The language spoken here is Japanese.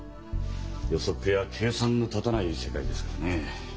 予測や計算の立たない世界ですからねえ。